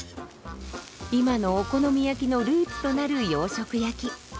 今のお好み焼きのルーツとなる洋食焼き。